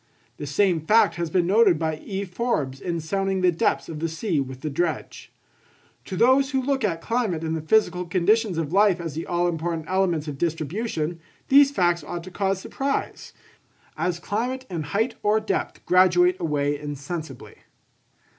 The same fact has been noticed by E. Forbes in sounding the depths of the sea with the dredge. To those who look at climate and the physical conditions of life as the all important elements of distribution, these facts ought to cause surprise, as climate and height or depth graduate away insensibly.